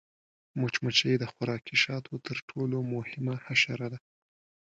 مچمچۍ د خوراکي شاتو تر ټولو مهمه حشره ده